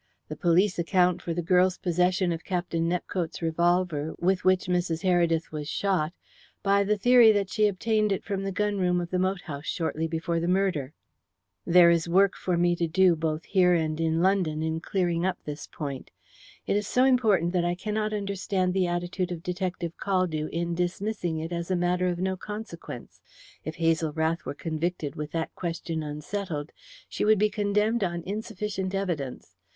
The police account for the girl's possession of Captain Nepcote's revolver, with which Mrs. Heredith was shot, by the theory that she obtained it from the gun room of the moat house shortly before the murder. There is work for me to do both here and in London, in clearing up this point. It is so important that I cannot understand the attitude of Detective Caldew in dismissing it as a matter of no consequence. If Hazel Rath were convicted with that question unsettled, she would be condemned on insufficient evidence.